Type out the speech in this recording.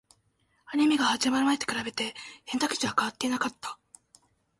アニメが始まる前と比べて、選択肢は変わっていなかった